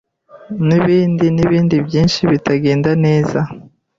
n’ibindi n’ibindi byinshi bitagenda neza